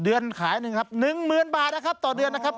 เดือนขายหนึ่งครับ๑๐๐๐๐บาทตรงเดือนนะครับ